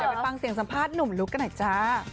ไปฟังเสียงสัมภาษณ์หนุ่มลุกกันหน่อยจ้า